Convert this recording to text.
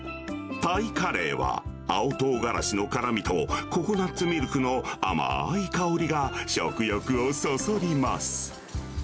タイカレーは青とうがらしの辛みと、ココナッツミルクの甘ーい香りが食欲をそそります。